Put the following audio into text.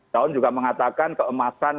tahun juga mengatakan keemasan